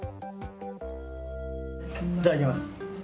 いただきます。